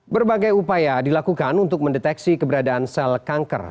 berbagai upaya dilakukan untuk mendeteksi keberadaan sel kanker